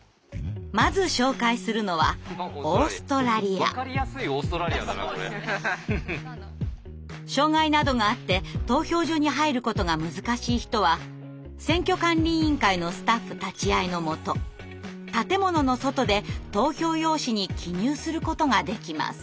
まず紹介するのは障害などがあって投票所に入ることが難しい人は選挙管理委員会のスタッフ立ち会いのもと建物の外で投票用紙に記入することができます。